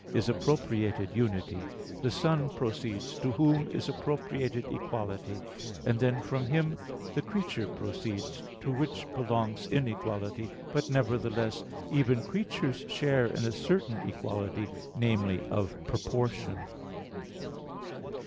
i, 5), is appropriated unity, the Son proceeds to Whom is appropriated equality, and then from Him the creature proceeds, to which belongs inequality; but nevertheless even creatures share in a certain equality namely, of proportion.